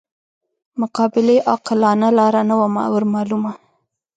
مقابلې عاقلانه لاره نه وه ورمعلومه.